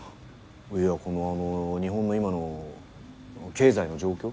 いやこのあの日本の今の経済の状況？